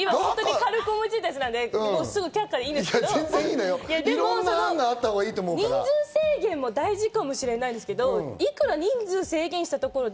軽く思いついたやつなんで、却下でいいんですけど、人数制限も大事かもしれないですけど、いくら人数を制限したところで